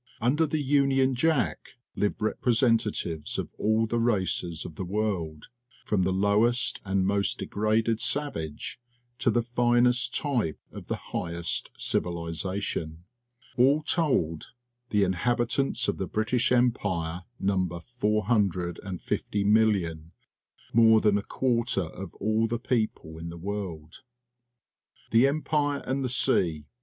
Under the Union Jack live repre sentatives of all the races of the world, from the lowest and most degraded savage to the finest type of the highest civilization. All told, the inhabitants of the British Em pire number 450,000,000 — more than a quarter of all the people in the world. The Empire and the Sea.